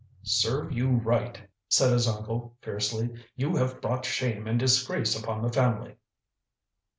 "Serve you right," said his uncle fiercely. "You have brought shame and disgrace upon the family."